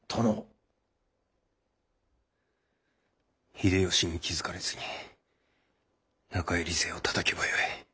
秀吉に気付かれずに中入り勢をたたけばよい。